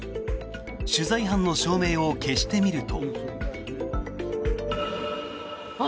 取材班の照明を消してみると。